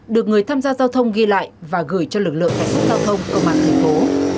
được người tham gia giao thông ghi lại và gửi cho lực lượng cảnh sát giao thông công an thành phố